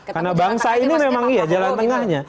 karena bangsa ini memang jalan tengahnya